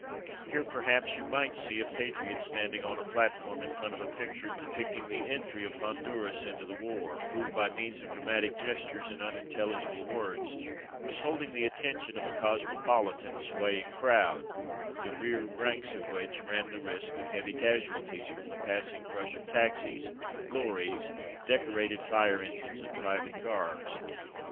Here, perhaps, you might see a patriot standing on a platform in front of a picture depicting the entry of Honduras into the war, who, by means of dramatic gestures and unintelligible words, was hold ing the attention of a cosmopolitan, swaying crowd, the rear ranks of which ran the risk of heavy casualties from the passing crush Liberty Loan 303 of taxis, lorries, decorated fire engines, and private cars.